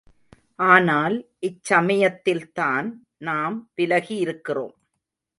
ஆனால் இச்சமயத்தில்தான் நாம் விலகியிருக்கிறோம்.